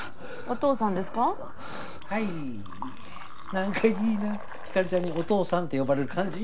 なんかいいなひかりちゃんに「お父さん」って呼ばれる感じ。